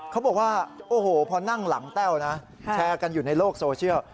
เขาบอกว่าโอ้โหพอนั่งหลังแต้วนะแชร์กันอยู่ในโลกโซเชียล